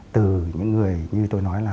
từ những người như tôi nói là